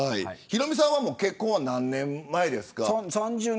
ヒロミさんは結婚は何年前ですか。